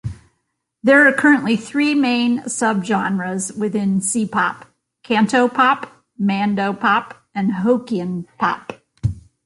There are currently three main subgenres within C-pop: Cantopop, Mandopop and Hokkien pop.